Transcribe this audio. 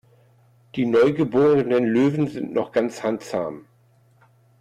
Die neugeborenen Löwen sind noch ganz handzahm.